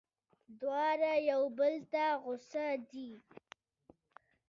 دواړه یو بل ته غوسه دي.